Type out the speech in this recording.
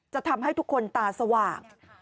จะทำให้ทุกคนตาสว่าง